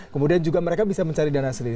kemudian juga mereka bisa mencari dana sendiri